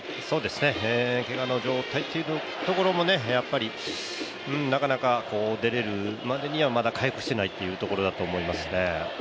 けがの状態というところもなかなか出れるまでにはまだ回復していないというところだと思いますね。